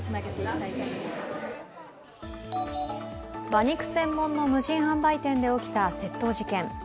馬肉専門の無人販売店で起きた窃盗事件。